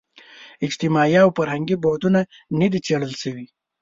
اجتماعي او فرهنګي بعدونه نه دي څېړل شوي.